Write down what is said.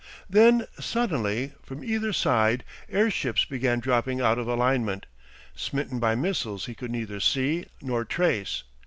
Then suddenly from either side airships began dropping out of alignment, smitten by missiles he could neither see nor trace.